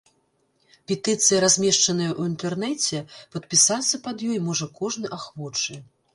Петыцыя размешчаная ў інтэрнэце, падпісацца пад ёй можа кожны ахвочы.